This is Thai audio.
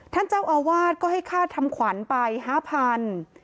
ท่านเจ้าอาวาสก็ให้ค่าทำขวัญไป๕๐๐บาท